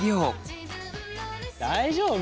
大丈夫？